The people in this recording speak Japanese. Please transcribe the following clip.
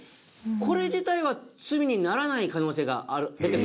これ自体は罪にならない可能性が出てくるんですよね。